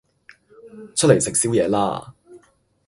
出嚟食宵夜啦